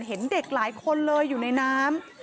เห็นเด็กหลายคนเลยอยู่ในน้ำ